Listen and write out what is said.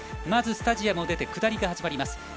まずスタジアムを出て下りから始まります。